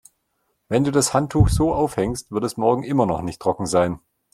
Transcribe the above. Wenn du das Handtuch so aufhängst, wird es morgen immer noch nicht trocken sein.